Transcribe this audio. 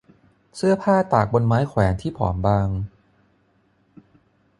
เสื้อผ้าตากบนไม้แขวนที่ผอมบาง